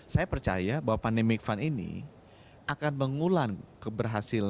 saya percaya bahwa pandemic fund ini akan mengulang keberhasilan